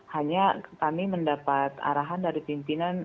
hanya kami mendapat arahan dari pimpinan